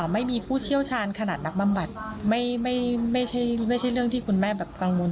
ผู้เชี่ยวชาญขนาดนักบำบัดไม่ใช่เรื่องที่คุณแม่แบบกังวล